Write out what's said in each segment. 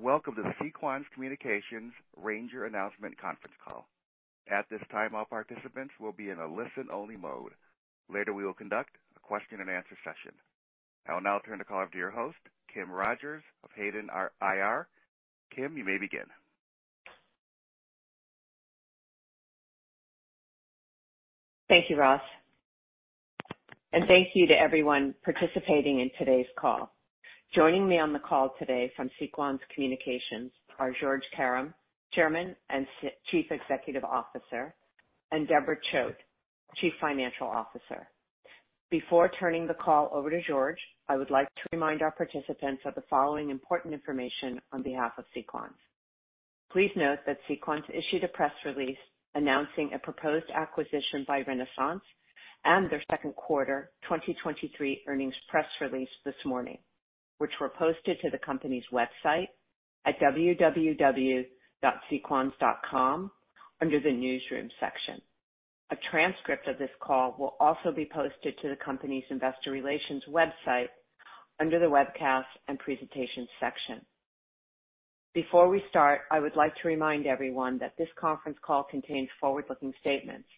Welcome to the Sequans Communications Renesas Announcement Conference Call. At this time, all participants will be in a listen-only mode. Later, we will conduct a question and answer session. I will now turn the call over to your host, Kim Rogers of Hayden IR. Kim, you may begin. Thank you, Ross, and thank you to everyone participating in today's call. Joining me on the call today from Sequans Communications are George Karam, Chairman and Chief Executive Officer, and Deborah Choate, Chief Financial Officer. Before turning the call over to George, I would like to remind our participants of the following important information on behalf of Sequans. Please note that Sequans issued a press release announcing a proposed acquisition by Renesas and their second quarter 2023 earnings press release this morning, which were posted to the company's website at www.sequans.com under the Newsroom section. A transcript of this call will also be posted to the company's investor relations website under the Webcasts and Presentations section. Before we start, I would like to remind everyone that this conference call contains forward-looking statements,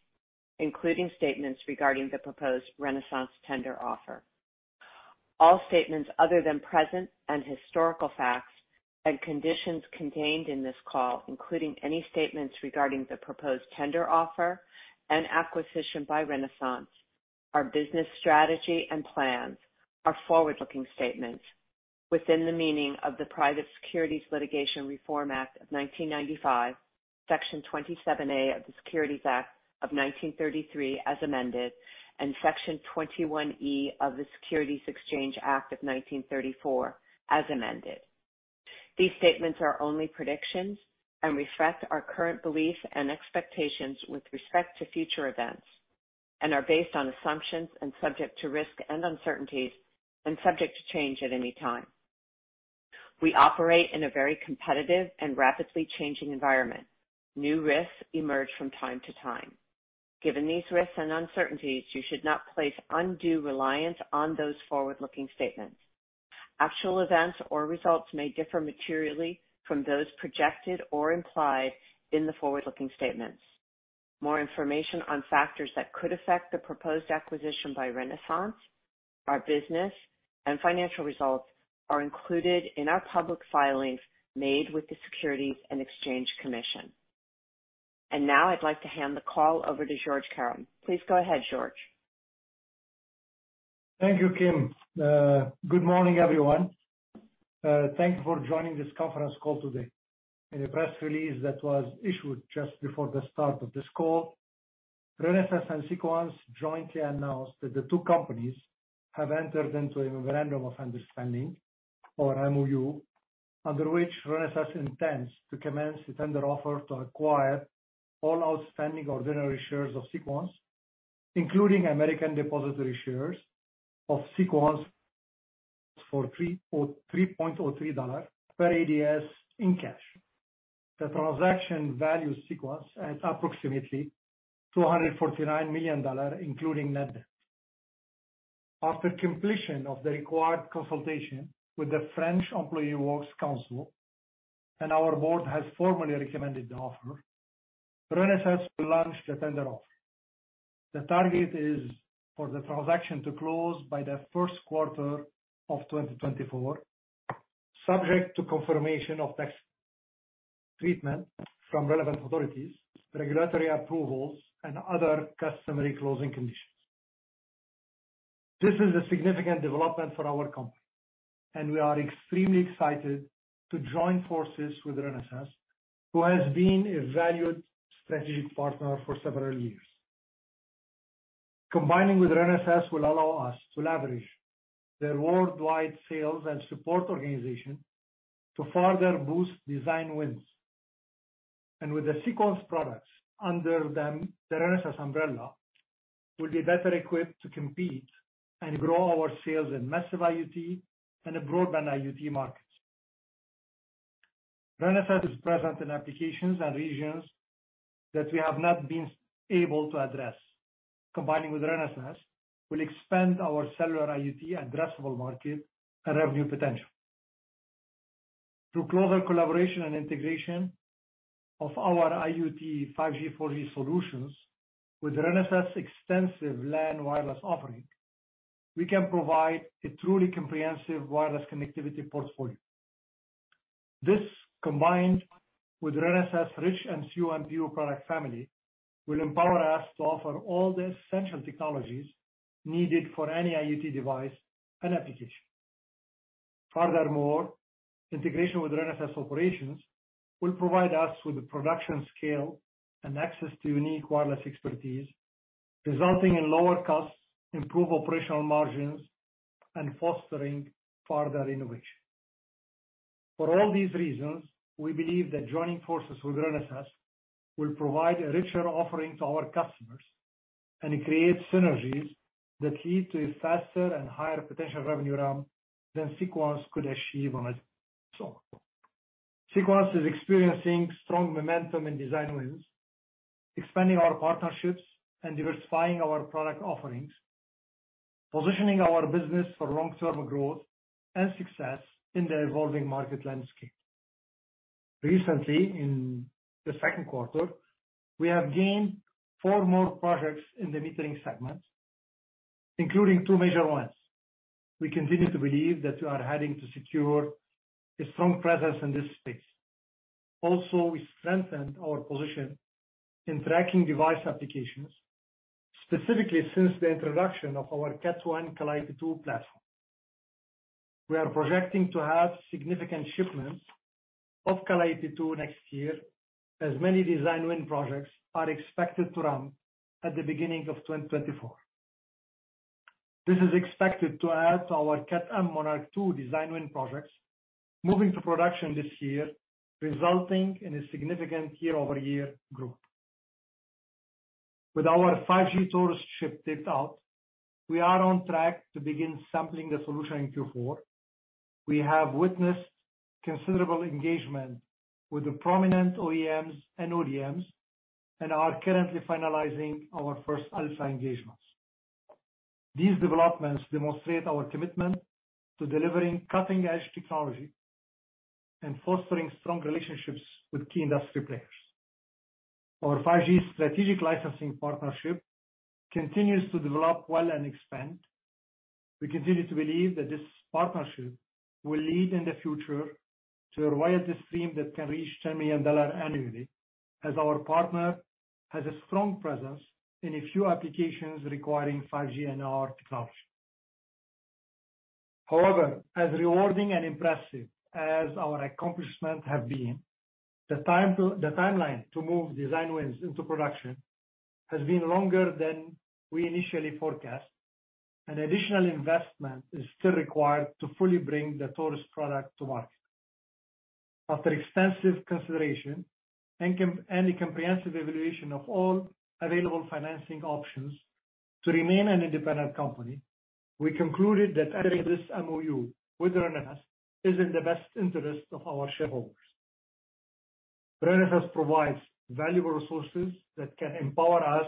including statements regarding the proposed Renesas tender offer. All statements other than present and historical facts and conditions contained in this call, including any statements regarding the proposed tender offer and acquisition by Renesas, our business strategy and plans, are forward-looking statements within the meaning of the Private Securities Litigation Reform Act of 1995, Section 27A of the Securities Act of 1933, as amended, and Section 21E of the Securities Exchange Act of 1934, as amended. These statements are only predictions and reflect our current beliefs and expectations with respect to future events, and are based on assumptions and subject to risk and uncertainties, and subject to change at any time. We operate in a very competitive and rapidly changing environment. New risks emerge from time to time. Given these risks and uncertainties, you should not place undue reliance on those forward-looking statements. Actual events or results may differ materially from those projected or implied in the forward-looking statements. More information on factors that could affect the proposed acquisition by Renesas, our business and financial results are included in our public filings made with the Securities and Exchange Commission. Now I'd like to hand the call over to George Karam. Please go ahead, George. Thank you, Kim. Good morning, everyone. Thank you for joining this conference call today. In a press release that was issued just before the start of this call, Renesas and Sequans jointly announced that the two companies have entered into a memorandum of understanding or MOU, under which Renesas intends to commence the tender offer to acquire all outstanding ordinary shares of Sequans, including American Depositary Shares of Sequans for $3.03 per ADS in cash. The transaction values Sequans at approximately $249 million, including net debt. After completion of the required consultation with the French Employee Works Council, and our board has formally recommended the offer, Renesas will launch the tender offer. The target is for the transaction to close by the first quarter of 2024, subject to confirmation of tax treatment from relevant authorities, regulatory approvals, and other customary closing conditions. This is a significant development for our company, and we are extremely excited to join forces with Renesas, who has been a valued strategic partner for several years. Combining with Renesas will allow us to leverage their worldwide sales and support organization to further boost design wins. With the Sequans products under the Renesas umbrella, we'll be better equipped to compete and grow our sales in massive IoT and the broadband IoT markets. Renesas is present in applications and regions that we have not been able to address. Combining with Renesas will expand our cellular IoT addressable market and revenue potential. Through closer collaboration and integration of our IoT 5G, 4G solutions with Renesas extensive LAN wireless offering, we can provide a truly comprehensive wireless connectivity portfolio. This, combined with Renesas rich combo product family, will empower us to offer all the essential technologies needed for any IoT device and application. Furthermore, integration with Renesas operations will provide us with the production scale and access to unique wireless expertise, resulting in lower costs, improved operational margins, and fostering further innovation. For all these reasons, we believe that joining forces with Renesas will provide a richer offering to our customers and create synergies that lead to a faster and higher potential revenue TAM than Sequans could achieve on its own. Sequans is experiencing strong momentum in design wins. Expanding our partnerships and diversifying our product offerings, positioning our business for long-term growth and success in the evolving market landscape. Recently, in the second quarter, we have gained four more projects in the metering segment, including two major ones. We continue to believe that we are heading to secure a strong presence in this space. Also, we strengthened our position in tracking device applications, specifically since the introduction of our Cat 1 Calliope 2 platform. We are projecting to have significant shipments of Calliope 2 next year, as many design win projects are expected to run at the beginning of 2024. This is expected to add to our Cat M Monarch 2 design win projects, moving to production this year, resulting in a significant year-over-year growth. With our 5G Taurus shipped out, we are on track to begin sampling the solution in Q4. We have witnessed considerable engagement with the prominent OEMs and ODMs, and are currently finalizing our first alpha engagements. These developments demonstrate our commitment to delivering cutting-edge technology and fostering strong relationships with key industry players. Our 5G strategic licensing partnership continues to develop well and expand. We continue to believe that this partnership will lead in the future to a royalty stream that can reach $10 million annually, as our partner has a strong presence in a few applications requiring 5G and our technology. However, as rewarding and impressive as our accomplishments have been, the timeline to move design wins into production has been longer than we initially forecast, and additional investment is still required to fully bring the Taurus product to market. After extensive consideration and a comprehensive evaluation of all available financing options to remain an independent company, we concluded that entering this MoU with Renesas is in the best interest of our shareholders. Renesas provides valuable resources that can empower us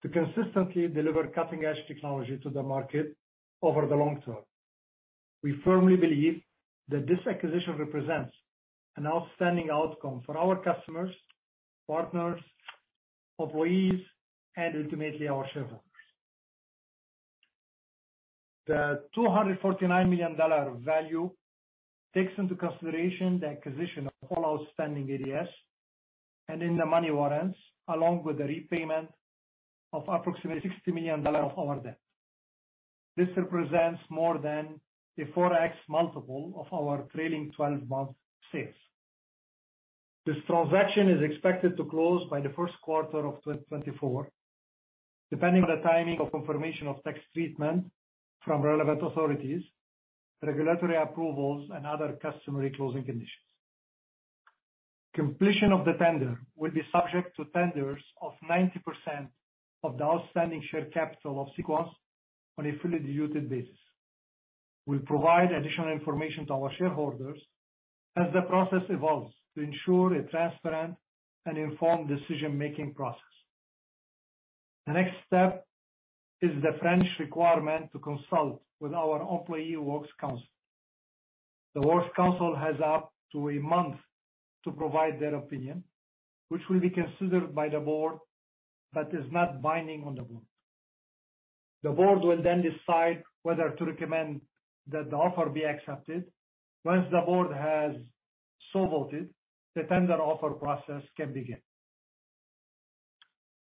to consistently deliver cutting-edge technology to the market over the long term. We firmly believe that this acquisition represents an outstanding outcome for our customers, partners, employees, and ultimately, our shareholders. The $249 million value takes into consideration the acquisition of all outstanding ADSs and in the money warrants, along with the repayment of approximately $60 million of our debt. This represents more than a 4x multiple of our trailing 12-month sales. This transaction is expected to close by the first quarter of 2024, depending on the timing of confirmation of tax treatment from relevant authorities, regulatory approvals, and other customary closing conditions. Completion of the tender will be subject to tenders of 90% of the outstanding share capital of Sequans Communications on a fully diluted basis. We'll provide additional information to our shareholders as the process evolves to ensure a transparent and informed decision-making process. The next step is the French requirement to consult with our Employee Works Council. The Employee Works Council has up to one month to provide their opinion, which will be considered by the board, but is not binding on the board. The board will then decide whether to recommend that the offer be accepted. Once the board has so voted, the tender offer process can begin.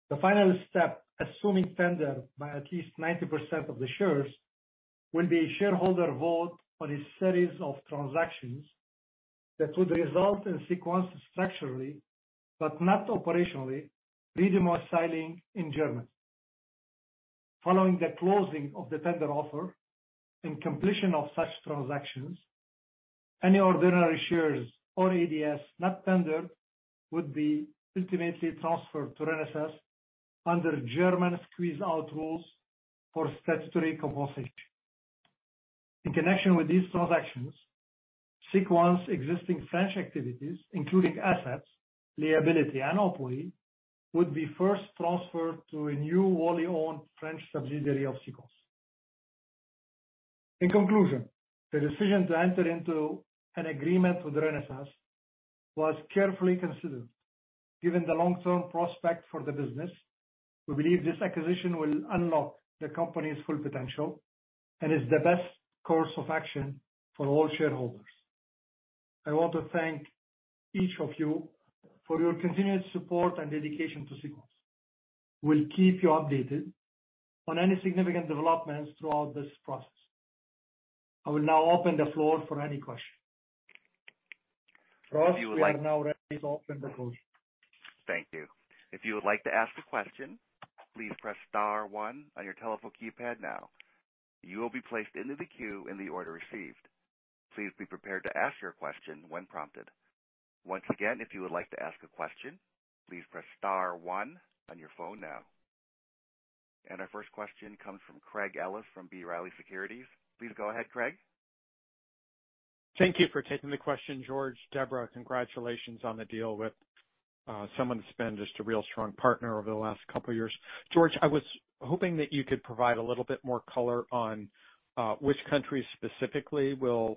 The final step, assuming tender by at least 90% of the shares, will be a shareholder vote on a series of transactions that would result in Sequans structurally, but not operationally, redomiciling in Germany. Following the closing of the tender offer and completion of such transactions, any ordinary shares or ADSs not tendered would be ultimately transferred to Renesas under German squeeze out rules for statutory compensation. In connection with these transactions, Sequans' existing French activities, including assets, liability, and employee, would be first transferred to a new wholly-owned French subsidiary of Sequans. In conclusion, the decision to enter into an agreement with Renesas was carefully considered. Given the long-term prospect for the business, we believe this acquisition will unlock the company's full potential and is the best course of action for all shareholders. I want to thank each of you for your continued support and dedication to Sequans. We'll keep you updated on any significant developments throughout this process. I will now open the floor for any questions. Ross, we are now ready to open the call. Thank you. If you would like to ask a question, please press star one on your telephone keypad now. You will be placed into the queue in the order received. Please be prepared to ask your question when prompted. Once again, if you would like to ask a question, please press star one on your phone now. Our first question comes from Craig Ellis from B. Riley Securities. Please go ahead, Craig. Thank you for taking the question, George. Deborah, congratulations on the deal with, someone who's been just a real strong partner over the last couple of years. George, I was hoping that you could provide a little bit more color on, which countries specifically will,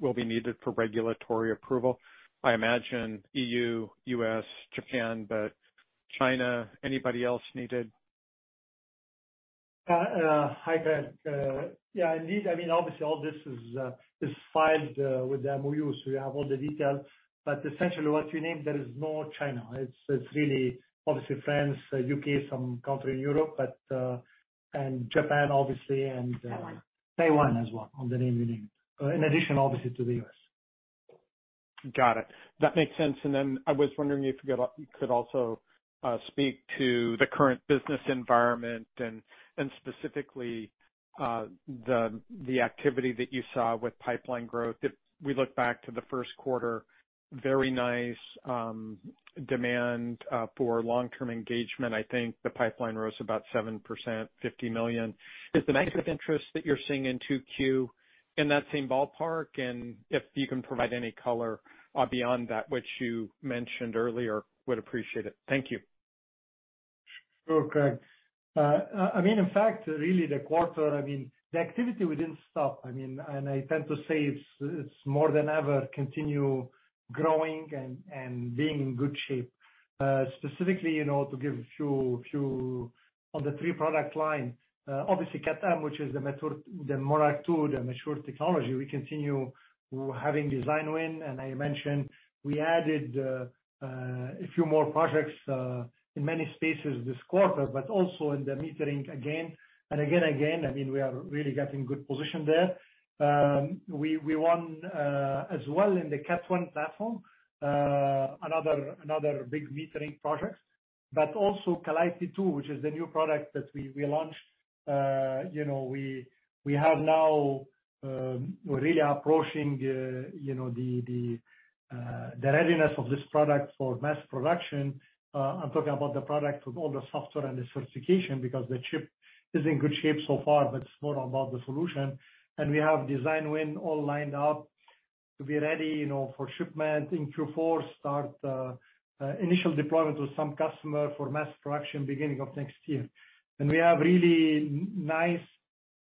will be needed for regulatory approval. I imagine E.U., U.S., Japan, but China, anybody else needed? Hi, Craig. Yeah, I mean, obviously, all this is, is filed, with the MOU, so we have all the details. Essentially, what you named, there is no China. It's, it's really obviously France, U.K., some country in Europe, but, and Japan, obviously, and, Taiwan as well, on the name you named. In addition, obviously, to the U.S. Got it. That makes sense. Then I was wondering if you could you could also speak to the current business environment and specifically the activity that you saw with pipeline growth. If we look back to the first quarter, very nice demand for long-term engagement. I think the pipeline rose about 7%, $50 million. Is the negative interest that you're seeing in 2Q in that same ballpark? If you can provide any color beyond that, which you mentioned earlier, would appreciate it. Thank you. Sure, Craig. I, I mean, in fact, really, the quarter, I mean, the activity, we didn't stop. I mean, and I tend to say it's, it's more than ever continue growing and, and being in good shape. Specifically, you know, to give a few, few. On the three product line, obviously, Cat M, which is the mature, the more mature, the mature technology, we continue having design win, and I mentioned we added a few more projects in many spaces this quarter, but also in the metering again. Again, again, I mean, we are really getting good position there. We, we won as well in the Cat 1 platform, another, another big metering project, but also Calliope 2, which is the new product that we, we launched. You know, we, we have now, we're really approaching, you know, the, the, the readiness of this product for mass production. I'm talking about the product with all the software and the certification, because the chip is in good shape so far, but it's more about the solution. We have design win all lined up to be ready, you know, for shipment in Q4, start initial deployment with some customer for mass production, beginning of next year. We have really nice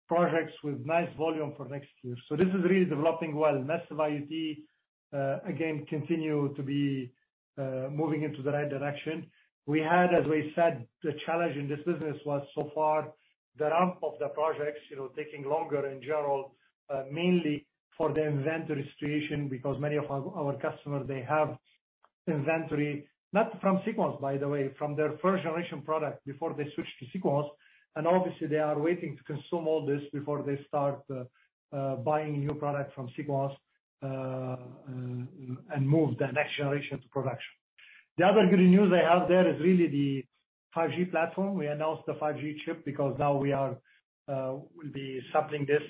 projects with nice volume for next year. This is really developing well. Massive IoT, again, continue to be moving into the right direction. We had, as we said, the challenge in this business was so far, the ramp of the projects, you know, taking longer in general, mainly for the inventory situation, because many of our, our customers, they have inventory, not from Sequans, by the way, from their first generation product before they switched to Sequans. Obviously, they are waiting to consume all this before they start buying new products from Sequans and move the next generation to production. The other good news I have there is really the 5G platform. We announced the 5G chip because now we are will be sampling this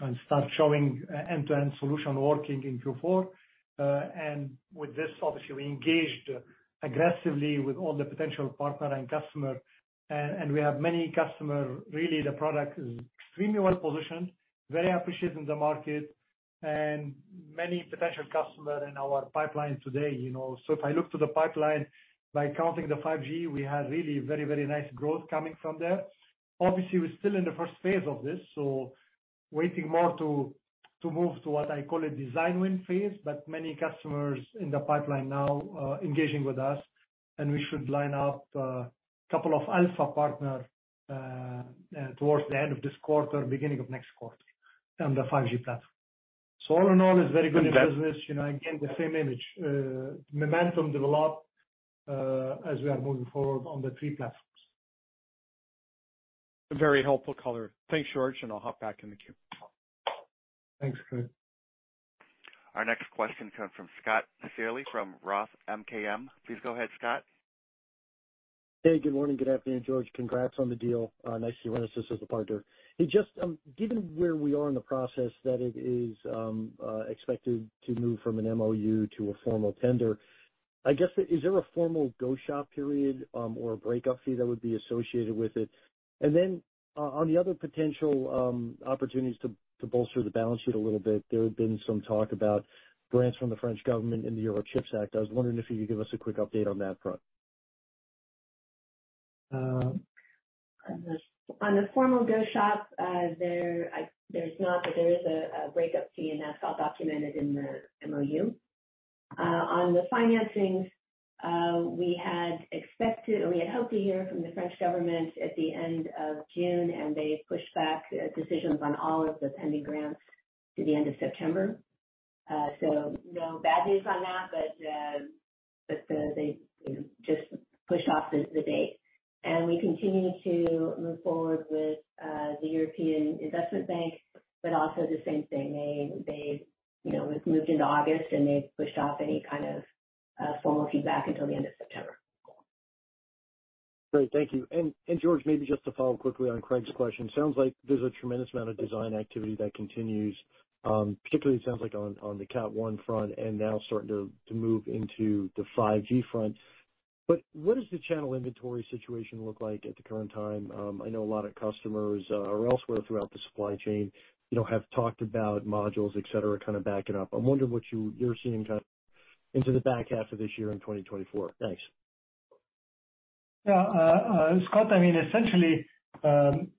and start showing end-to-end solution working in Q4. With this, obviously, we engaged aggressively with all the potential partner and customer, and we have many customer. Really, the product is extremely well positioned, very appreciated in the market, and many potential customer in our pipeline today, you know. If I look to the pipeline, by counting the 5G, we have really very, very nice growth coming from there. Obviously, we're still in the first phase of this, so waiting more to, to move to what I call a design win phase, but many customers in the pipeline now, engaging with us, and we should line up a couple of alpha partner towards the end of this quarter, beginning of next quarter on the 5G platform. All in all, it's very good in business, you know, again, the same image, momentum develop as we are moving forward on the three platforms. Very helpful color. Thanks, George, and I'll hop back in the queue. Thanks, Craig. Our next question comes from Scott Searle from Roth MKM. Please go ahead, Scott. Hey, good morning, good afternoon, George. Congrats on the deal. Nice to see you as a partner. Hey, just, given where we are in the process, that it is expected to move from an MOU to a formal tender, I guess, is there a formal go shop period, or a breakup fee that would be associated with it? Then, on the other potential opportunities to, to bolster the balance sheet a little bit, there have been some talk about grants from the French government and the European Chips Act. I was wondering if you could give us a quick update on that front. Um- On the formal go shop, there's not, but there is a breakup fee, and that's all documented in the MOU. On the financings, we had expected, or we had hoped to hear from the French government at the end of June, and they pushed back decisions on all of the pending grants to the end of September. No bad news on that, but they just pushed off the date. We continue to move forward with the European Investment Bank, but also the same thing. They, they, you know, it's moved into August, and they've pushed off any kind of formality back until the end of September. Great. Thank you. And George, maybe just to follow up quickly on Craig's question. Sounds like there's a tremendous amount of design activity that continues, particularly it sounds like on, on the Cat 1 front, and now starting to, to move into the 5G front. What does the channel inventory situation look like at the current time? I know a lot of customers, or elsewhere throughout the supply chain, you know, have talked about modules, et cetera, kind of backing up. I'm wondering what you're seeing kind of into the back half of this year in 2024. Thanks. Yeah, Scott, I mean, essentially,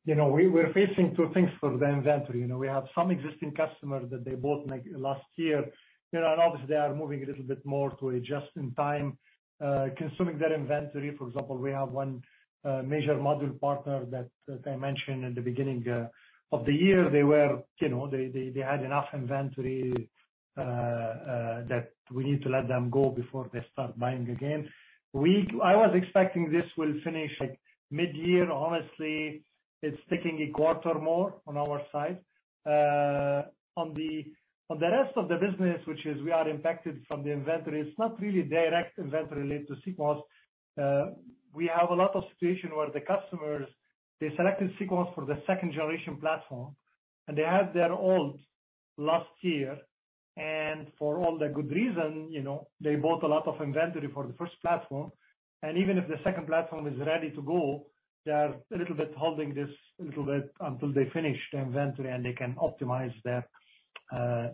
you know, we're facing two things for the inventory. You know, we have some existing customers that they bought like last year, you know. Obviously, they are moving a little bit more to a just-in-time, consuming their inventory. For example, we have one major module partner that I mentioned in the beginning of the year, they were, you know, they had enough inventory that we need to let them go before they start buying again. I was expecting this will finish, like, mid-year. Honestly, it's taking one quarter more on our side. On the rest of the business, which is we are impacted from the inventory, it's not really direct inventory related to Sequans. We have a lot of situation where the customers, they selected Sequans for the second generation platform. They have their own last year, for all the good reason, you know, they bought a lot of inventory for the first platform. Even if the second platform is ready to go, they are a little bit holding this a little bit until they finish the inventory, and they can optimize their,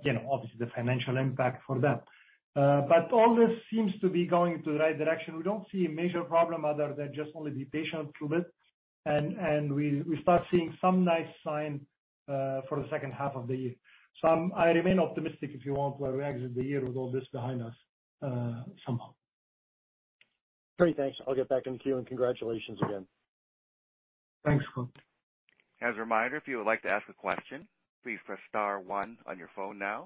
you know, obviously, the financial impact for them. All this seems to be going to the right direction. We don't see a major problem other than just only be patient a little bit, and we start seeing some nice sign for the second half of the year. I remain optimistic, if you want, where we exit the year with all this behind us, somehow. Great, thanks. I'll get back into you. Congratulations again. Thanks, Scott. As a reminder, if you would like to ask a question, please press star one on your phone now.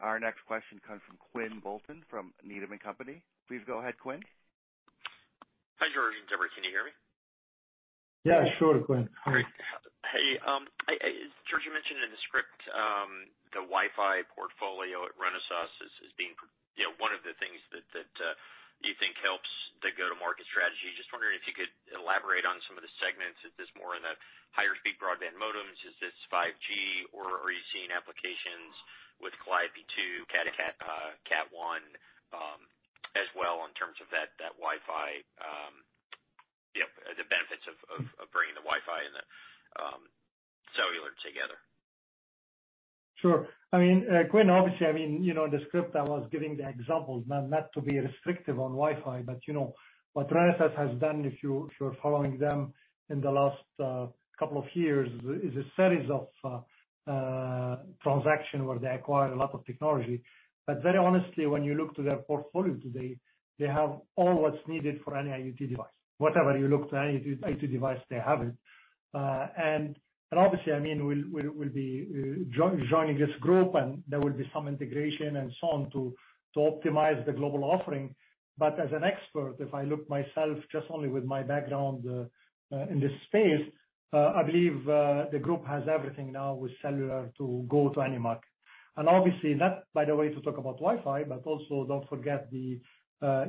Our next question comes from Quinn Bolton from Needham & Company. Please go ahead, Quinn. Hi, George and Deborah, can you hear me? Yeah, sure, Quinn. Hi. Hey, I, I George, you mentioned in the script, the Wi-Fi portfolio at Renesas is, is being, you know, one of the things that, that, you think helps the go-to-market strategy. Just wondering if you could elaborate on some of the segments. Is this more in the higher speed broadband modems? Is this 5G, or are you seeing applications with Calliope 2, Cat 1, as well in terms of that, that Wi-Fi, the benefits of, of, of bringing the Wi-Fi and the cellular together? Sure. I mean, Quinn, obviously, I mean, you know, in the script, I was giving the examples, not, not to be restrictive on Wi-Fi, you know, what Renesas has done, if you, if you're following them in the last couple of years, is a series of transaction where they acquire a lot of technology. Very honestly, when you look to their portfolio today, they have all what's needed for any IoT device. Whatever you look to any IT, IT device, they have it. Obviously, I mean, we'll, we'll, we'll be joining this group, and there will be some integration and so on to, to optimize the global offering. As an expert, if I look myself just only with my background in this space, I believe the group has everything now with cellular to go to any market. Obviously, not by the way, to talk about Wi-Fi, but also don't forget the,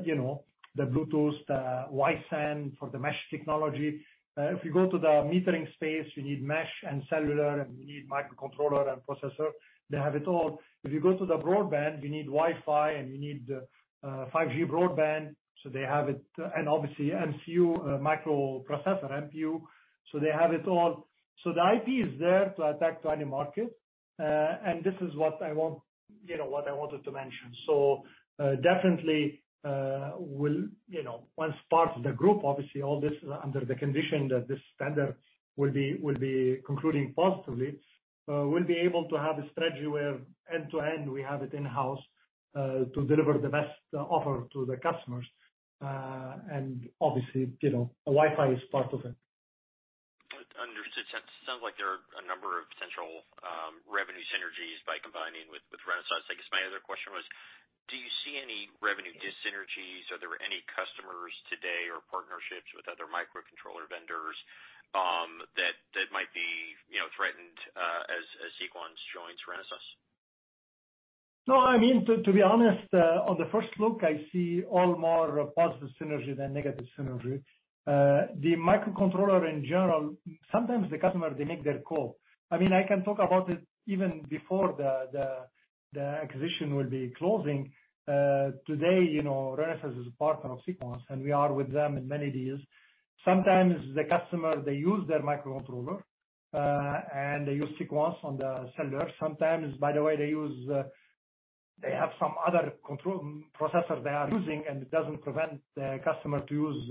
you know, the Bluetooth, the Wi-Fi for the mesh technology. If you go to the metering space, you need mesh and cellular, and you need microcontroller and processor. They have it all. If you go to the broadband, you need Wi-Fi, and you need 5G broadband, they have it. Obviously, MCU, microprocessor, MPU, they have it all. The IP is there to attack to any market, and this is what I want, you know, what I wanted to mention. Definitely, we'll, you know, once part of the group, obviously, all this is under the condition that this standard will be, will be concluding positively, we'll be able to have a strategy where end-to-end, we have it in-house, to deliver the best offer to the customers. Obviously, you know, the Wi-Fi is part of it. Understood. Sounds like there are a number of potential, revenue synergies by combining with, with Renesas. I guess my other question was, do you see any revenue dyssynergies? Are there any customers today or partnerships with other microcontroller vendors, that, that might be, you know, threatened, as, as Sequans joins Renesas? No, I mean, to, to be honest, on the first look, I see all more positive synergy than negative synergy. The microcontroller in general, sometimes the customer, they make their call. I mean, I can talk about it even before the acquisition will be closing. Today, you know, Renesas is a partner of Sequans, and we are with them in many years. Sometimes the customer, they use their microcontroller, and they use Sequans on the seller. Sometimes, by the way, they use, they have some other control processor they are using, and it doesn't prevent the customer to use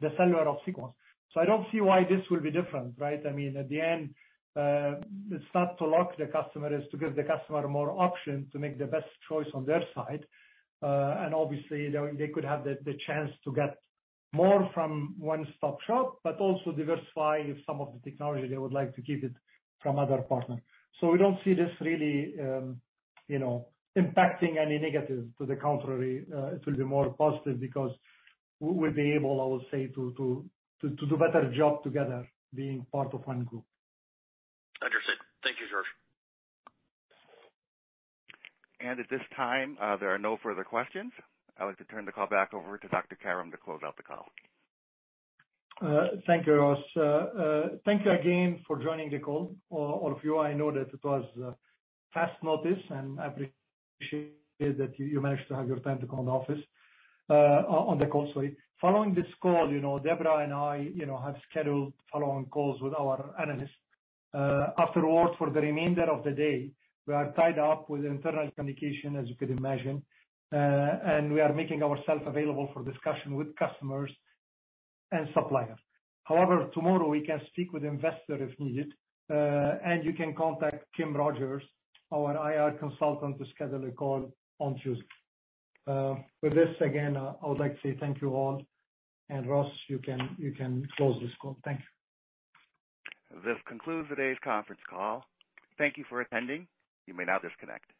the seller of Sequans. I don't see why this will be different, right? I mean, at the end, it's not to lock the customer, it's to give the customer more options to make the best choice on their side. Obviously, they, they could have the, the chance to get more from one-stop shop, but also diversify some of the technology they would like to keep it from other partners. We don't see this really, you know, impacting any negative. To the contrary, it will be more positive because we'll be able, I would say, to, to, to do better job together being part of one group. Understood. Thank you, George. At this time, there are no further questions. I'd like to turn the call back over to Dr. Karam to close out the call. Thank you, Ross. Thank you again for joining the call, all of you. I know that it was fast notice, and I appreciate that you, you managed to have your technical office on the call, sorry. Following this call, you know, Deborah and I, you know, have scheduled follow-on calls with our analysts. Afterward, for the remainder of the day, we are tied up with internal communication, as you can imagine, and we are making ourselves available for discussion with customers and suppliers. However, tomorrow, we can speak with investors if needed, and you can contact Kim Rogers, our IR consultant, to schedule a call on Tuesday. With this, again, I would like to say thank you, all. Ross, you can, you can close this call. Thanks. This concludes today's conference call. Thank you for attending. You may now disconnect.